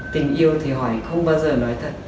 tình yêu thì hỏi không bao giờ nói thật